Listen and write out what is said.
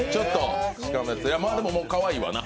でも、かわいいわな。